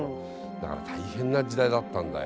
だから大変な時代だったんだよ。